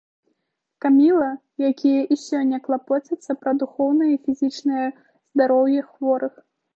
Каміла, якія і сёння клапоцяцца пра духоўнае і фізічнае здароўе хворых.